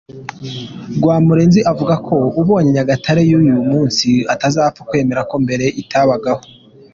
Rwamurenzi avuga ko ubonye Nyagatare y’uyu munsi atapfa kwemera ko mbere itabagaho.